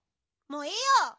もういいよ。